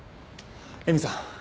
絵美さん！